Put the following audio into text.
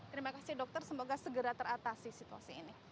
terima kasih dokter semoga segera teratasi situasi ini